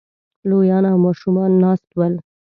لويان او ماشومان ناست ول